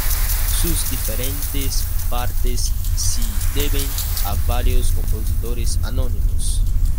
Sus diferentes partes se deben a varios compositores anónimos.